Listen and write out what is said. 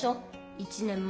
１年前。